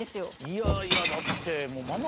いやいやだってもう。